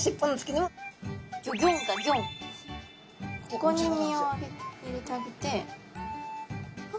ここに入れてあげて。